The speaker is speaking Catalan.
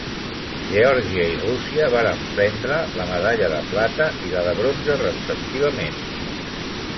Geòrgia i Rússia varen prendre la medalla de plata i la de bronze, respectivament.